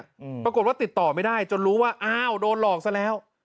อืมปรากฏว่าติดต่อไม่ได้จนรู้ว่าอ้าวโดนหลอกซะแล้ว